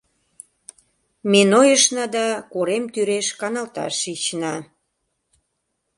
Ме нойышна да корем тӱреш каналташ шична.